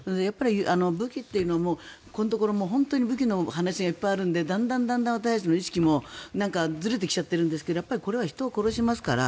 武器というのもここのところ武器の話がいっぱいあるのでだんだん私たちの意識もずれてきちゃっているんですけどこれは人を殺しますから。